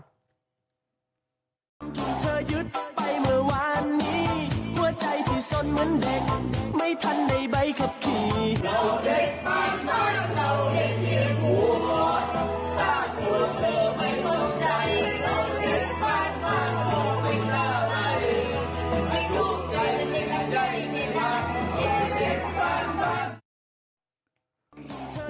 ไม่ถูกใจไม่ต้องเจ็บบ้างบ้างผมไม่สามารถไม่ถูกใจว่าเจ็บหันได้ไงค่ะผมไม่เจ็บบ้างบ้าง